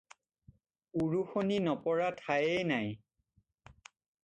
উৰুষণি নপৰা ঠায়েই নাই।